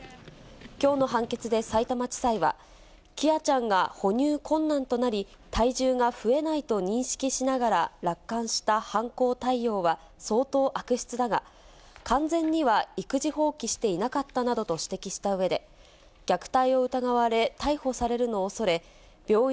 きょうの判決でさいたま地裁は、喜空ちゃんが哺乳困難となり、体重が増えないと認識しながら、楽観した犯行態様は相当悪質だが、完全には育児放棄していなかったなどと指摘したうえで、全国の皆さん、こんばんは。